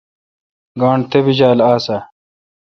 گانٹھ تپیجال آسہ۔؟